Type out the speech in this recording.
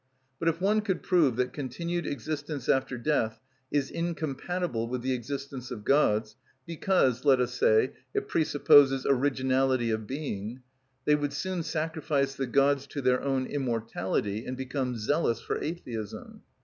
But if one could prove that continued existence after death is incompatible with the existence of gods, because, let us say, it pre supposes originality of being, they would soon sacrifice the gods to their own immortality and become zealous for Atheism.